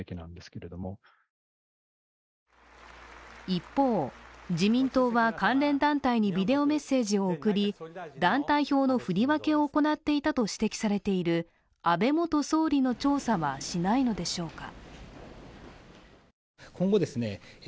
一方、自民党は関連団体にビデオメッセージを送り団体票の振り分けを行っていたと指摘されている安倍元総理の調査はしないのでしょうか。